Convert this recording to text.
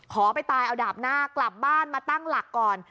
ขอไปตายเอาดาบหน้ากลับบ้านมาตั้งหลักก่อน